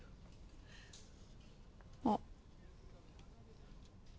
あっ。